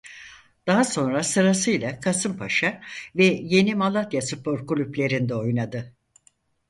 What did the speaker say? Daha sonra sırasıyla Kasımpaşa ve Yeni Malatyaspor kulüplerinde oynadı.